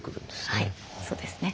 はいそうですね。